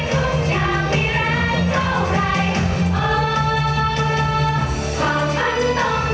เพื่อให้เรามาเล่นผ่านนั้น